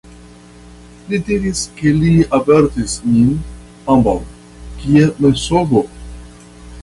Li diris, ke li avertis nin ambaŭ: kia mensogo!